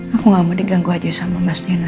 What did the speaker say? aku gak mau diganggu aja sama mas nena